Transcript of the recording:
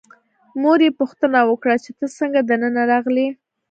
مور یې پوښتنه وکړه چې ته څنګه دننه راغلې.